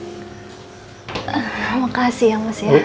terima kasih ya mas ya